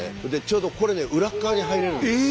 ちょうどこれね裏っ側に入れるんです。